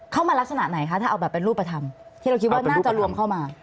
ลักษณะไหนคะถ้าเอาแบบเป็นรูปธรรมที่เราคิดว่าน่าจะรวมเข้ามา